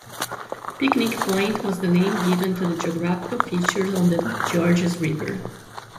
Picnic Point was the name given to the geographical feature on the Georges River.